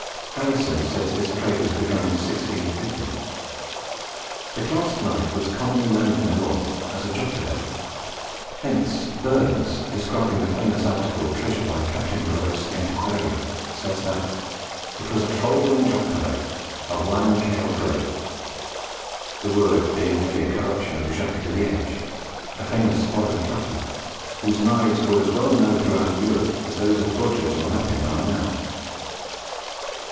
Harrison says this trade was begun in 1650. The clasp knife was commonly known in the North as a jocteleg. Hence Burns, describing the famous article treasured by Captain Grose the antiquarian, says that "It was a faulding jocteleq, Or lang kail gully;" the word being merely a corruption of Jacques de Liege, a famous foreign cutler, whose knives were as well known throughout Europe as those of Rogers or Mappin are now.